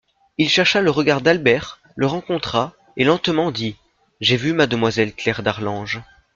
Il chercha le regard d'Albert, le rencontra, et lentement dit : J'ai vu mademoiselle Claire d'Arlange.